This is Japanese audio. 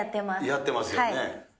やってますよね。